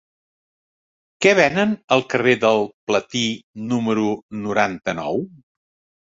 Què venen al carrer del Platí número noranta-nou?